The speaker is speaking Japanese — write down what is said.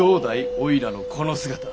おいらのこの姿。